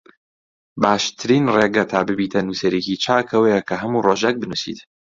باشترین ڕێگە تا ببیتە نووسەرێکی چاک ئەوەیە کە هەموو ڕۆژێک بنووسیت